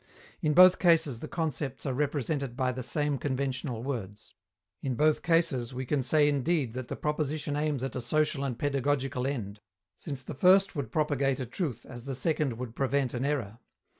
In both cases the concepts are represented by the same conventional words. In both cases we can say indeed that the proposition aims at a social and pedagogical end, since the first would propagate a truth as the second would prevent an error.